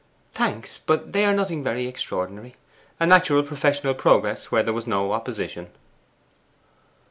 'Thanks, but they are nothing very extraordinary. A natural professional progress where there was no opposition.